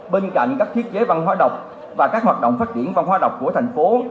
bên cạnh các thiết giới văn hóa độc và các hoạt động phát triển văn hóa độc của thành phố